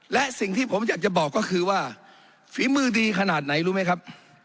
และสิ่งที่ผมอยากจะบอกก็คือว่าฝีมือดีขนาดไหนรู้ไหมครับ